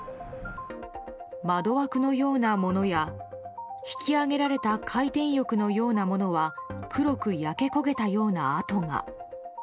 窓枠のようなものや引き上げられた回転翼のようなものは黒く焼け焦げたような跡が。